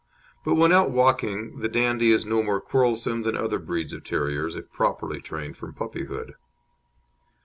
But when out walking the Dandie is no more quarrelsome than other breeds of terriers, if properly trained from puppyhood.